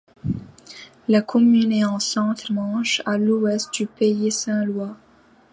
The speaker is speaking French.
La commune est en Centre-Manche, à l'ouest du pays saint-lois.